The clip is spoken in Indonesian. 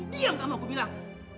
diam kamu aku bilang